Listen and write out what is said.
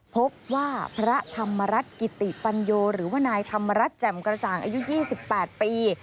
พบว่าพระธรรมรัชกิตติปัญโยหรือว่านายธรรมรัชแจ้มกระจางอายุยี่สิบแปดปี